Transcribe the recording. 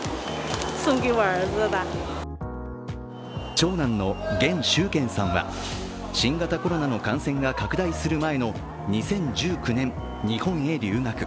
長男の元修権さんは新型コロナの感染が拡大する前の２００９年、日本へ留学。